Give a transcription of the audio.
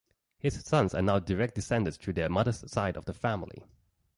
His sons are now direct descendants through their mother's side of the family.